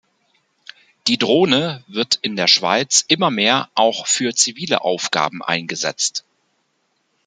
Die Drohne wird in der Schweiz immer mehr auch für zivile Aufgaben eingesetzt.